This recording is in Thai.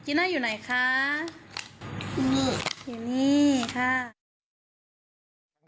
จีน่าอยู่ไหนคะอยู่นี่ค่ะ